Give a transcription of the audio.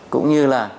cũng như là